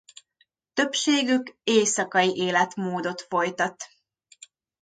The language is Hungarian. Többségük éjszakai életmódot folytat.